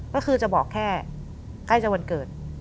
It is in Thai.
ก็คือจะบอกแค่ใกล้จะวันเกิด